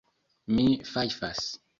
Mi fajfas.